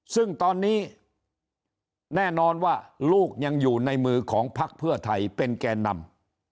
ซึ่งตอนนี้แน่นอนว่าลูกยังอยู่ในมือของพักเพื่อไทยเป็นแก่นำ